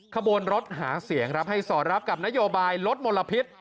ขบวนรถหาเสียงครับให้สอดรับกับนโยบายลดมลพิษ